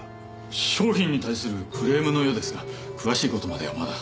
商品に対するクレームのようですが詳しい事まではまだ。